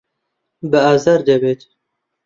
بە ئازار دەبێت.